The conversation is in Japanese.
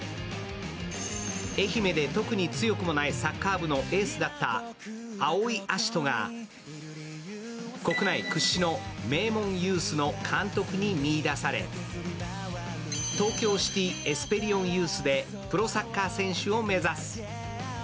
愛媛で特に強くもないサッカー部のエースだった青井葦人が国内屈指の名門ユースの監督に見いだされ、東京シティ・エスペリオンユースでプロサッカー選手を目指す。